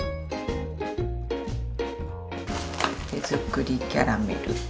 「手づくりキャラメル」。